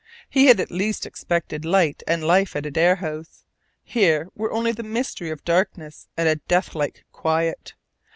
He had at least expected light and life at Adare House. Here were only the mystery of darkness and a deathlike quiet.